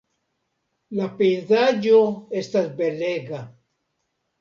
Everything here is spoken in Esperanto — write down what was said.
La pejzaĝo estas belega.